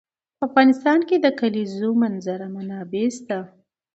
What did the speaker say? په افغانستان کې د د کلیزو منظره منابع شته.